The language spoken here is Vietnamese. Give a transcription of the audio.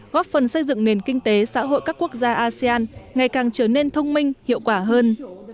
góp phần xây dựng nền kinh tế xã hội các quốc gia asean ngày càng trở nên thông minh hiệu quả hơn